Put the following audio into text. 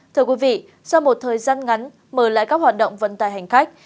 thưa quý vị sau một thời gian ngắn mở lại các hoạt động vận tải hành khách